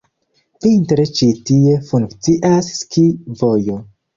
Vintre ĉi tie funkcias ski-vojo.